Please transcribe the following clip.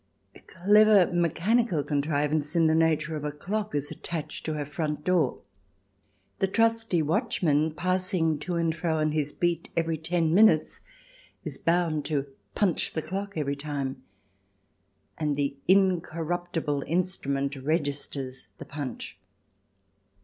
A clever mechanical contrivance in the nature of a clock is attached to her front door. The trusty watchman, passing to and fro on his beat every ten minutes, is bound to punch the clock every time, and the incorruptible instrument registers the punch.